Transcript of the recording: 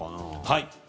はい。